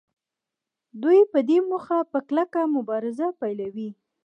دوی په دې موخه په کلکه مبارزه پیلوي